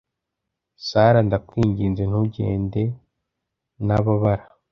Sara, ndakwinginze ntugende nababara